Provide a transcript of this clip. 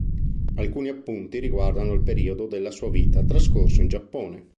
Alcuni appunti riguardano il periodo della sua vita trascorso in Giappone.